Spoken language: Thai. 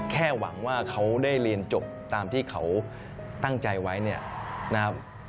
หวังว่าเขาได้เรียนจบตามที่เขาตั้งใจไว้เนี่ยนะครับ